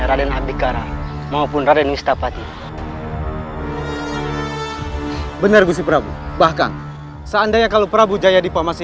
tidak kau tidak bisa melarikan diri dari anak panah